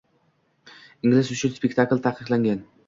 Ingiz uchun spektakl taqiqlangan.